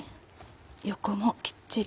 横もきっちり。